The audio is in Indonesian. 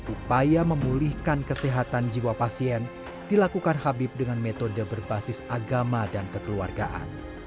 upaya memulihkan kesehatan jiwa pasien dilakukan habib dengan metode berbasis agama dan kekeluargaan